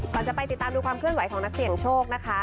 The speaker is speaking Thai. ก่อนจะไปติดตามดูความเคลื่อนไหวของนักเสี่ยงโชคนะคะ